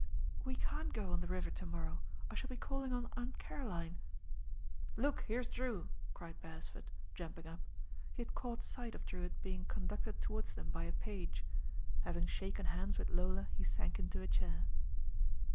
"We can't go on the river to^norrow; I shall be calling on Aunt Caroline." "Look, here's Drew," cried Beresford, jumping up. He had caught sight of Drewitt being conduct ed towards them by a page. Having shaken handa with Lola he sank into a chair.